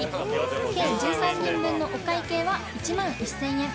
計１３人分のお会計は１万１０００円。